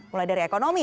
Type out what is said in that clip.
mulai dari ekonomi